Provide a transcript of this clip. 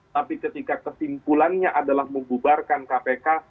tapi ketika kesimpulannya adalah membubarkan kpk